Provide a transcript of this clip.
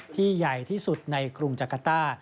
ใหญ่ที่สุดในกรุงจักรต้า